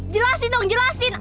jelasin dong jelasin